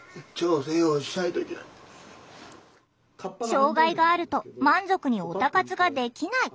障害があると満足にオタ活ができない。